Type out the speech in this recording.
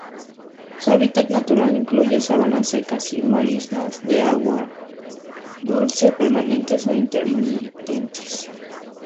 Su hábitat natural incluye sabanas secas y marismas de agua dulce, permanentes o intermitentes.